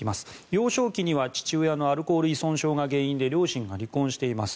幼少期には父親のアルコール依存症が原因で両親が離婚しています。